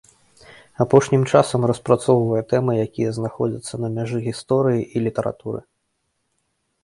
Апошнім часам распрацоўвае тэмы, якія знаходзяцца на мяжы гісторыі і літаратуры.